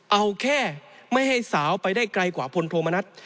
เอาแค่ไม่ให้สาวไปได้ไกลกว่าพลโทมนัฐ